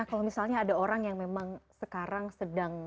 kalau misalnya ada orang yang memang sekarang sedang